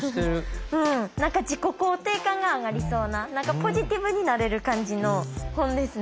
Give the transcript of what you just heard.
何か自己肯定感が上がりそうなポジティブになれる感じの本ですね。